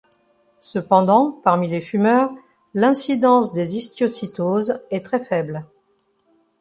Cependant, parmi les fumeurs, l'incidence des histiocytoses est très faible.